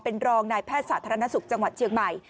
เป็นรองนายแพทย์สาธารณสุขจังหวัดเชียงใหม่